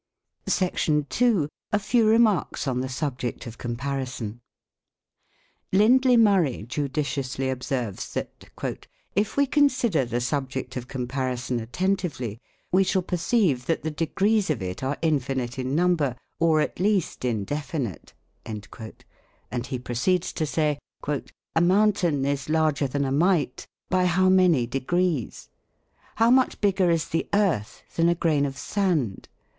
40 THE COMIC ENGLISH GRAMMAR. SECTION II. A FEW REMARKS ON THE SUBJECT OF COMPARISON. LiN'DLEY Murray judiciously observes, that "if we consider the subject of comparison attentively, we shall perceive that the degrees of it are infinite in number, or at least indefinite:" and he proceeds to say, ' 'A mountain is largei than a mite ; by how many degrees ? How much bigger is the earth than a grain of sand